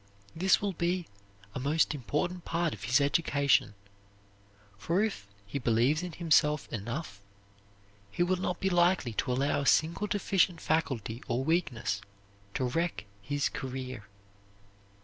This will be a most important part of his education, for if he believes in himself enough, he will not be likely to allow a single deficient faculty or weakness to wreck his career.